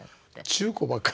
中古ばっかり。